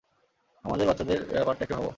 আমাদের বাচ্চাদের ব্যাপারটা একটু ভাবো।